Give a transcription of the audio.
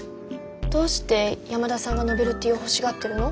どうして山田さんがノベルティを欲しがってるの？